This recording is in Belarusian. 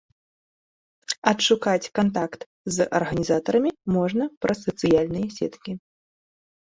Адшукаць кантакт з арганізатарамі можна праз сацыяльныя сеткі.